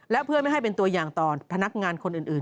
และเพื่อไม่ให้เป็นตัวอย่างต่อพนักงานคนอื่น